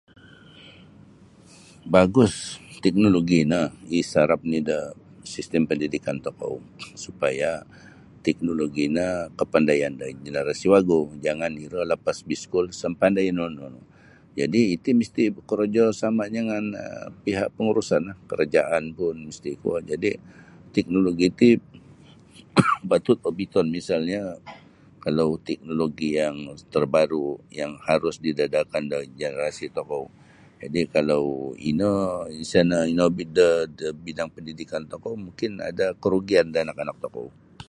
Bagus teknologi no isarap ni da sistem pendidikan tokou supaya teknologi no kapandayan da jenerasi wagu jangan iro lapas biskul sa mapandai nunu-nunu. Jadi iti misti korojosama jangan pihak pengurusan kerajaan pun misti kuo jadi teknologi ti patut obiton kalau teknologi terbaru harus didedahkan da jenerasi tokou jadi kalau ino isa inobit da pendidikan tokou mungkin ada kerugian da anak-anak tokou.